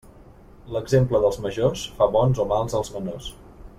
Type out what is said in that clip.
L'exemple dels majors, fa bons o mals als menors.